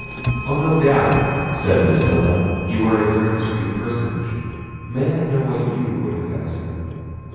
"Oh! no doubt," said Matilda; "you are a very discreet personage! May I know what you would have asked him?"